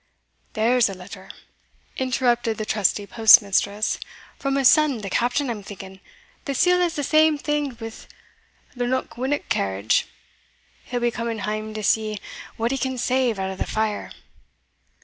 "There's a letter," interrupted the trusty postmistress, "from his son, the captain, I'm thinking the seal has the same things wi' the Knockwinnock carriage. He'll be coming hame to see what he can save out o' the fire."